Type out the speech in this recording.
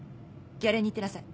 ギャレーに行ってなさい。